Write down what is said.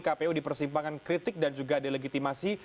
kpu dipersimpangkan kritik dan juga delegitimasi